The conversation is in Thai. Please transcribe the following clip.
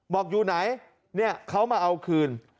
บอกอยู่ไหนเค้ามาเอาคืน